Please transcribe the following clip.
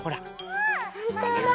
ほんとだ！